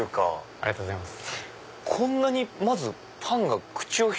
ありがとうございます。